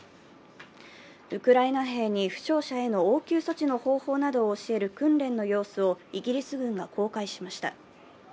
ウクライナ兵に負傷者への応急措置の方法などを教える訓練の様子をイギリス軍が公開しました。